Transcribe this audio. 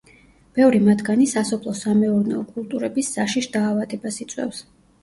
ბევრი მათგანი სასოფლო-სამეურნეო კულტურების საშიშ დაავადებას იწვევს.